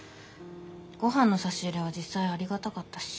ごはんの差し入れは実際ありがたかったし。